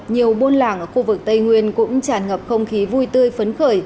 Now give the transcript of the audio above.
nhiều buôn làng ở khu vực tây nguyên cũng tràn ngập không khí vui tươi phấn khởi